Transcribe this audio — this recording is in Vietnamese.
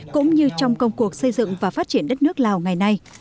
cũng như trong công cuộc xây dựng và phát triển đất nước lào ngày nay